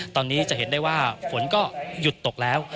ตอนนี้จะเห็นได้ว่าฝนก็หยุดตกแล้ว